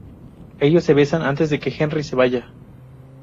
Ellos se besan antes de que Henry se vaya.